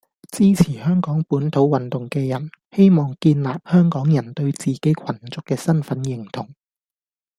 支持香港本土運動嘅人，希望建立香港人對自己群族嘅身份認同